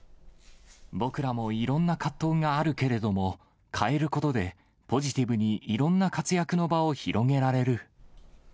僕らもいろんな葛藤があるけれども、変えることで、ポジティブにいろんな活躍の場を広げられる。